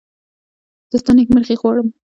زه ستا نېکمرغي غواړم.